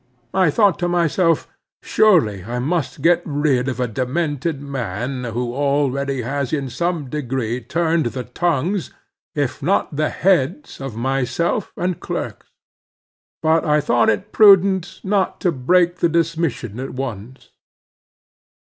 I thought to myself, surely I must get rid of a demented man, who already has in some degree turned the tongues, if not the heads of myself and clerks. But I thought it prudent not to break the dismission at once.